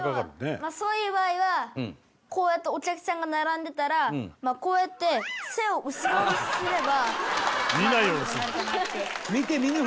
でもそういう場合はこうやってお客さんが並んでたらこうやって背を後ろにすれば。